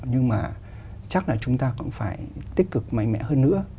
nhưng mà chắc là chúng ta cũng phải tích cực mạnh mẽ hơn nữa